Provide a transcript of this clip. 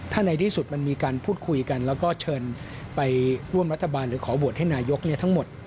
ถ้าในที่สุดมันมีการพูดคุยกันแล้วก็เชิญไปร่วมรัฐบาลหรือขอโหวตให้นายกทั้งหมด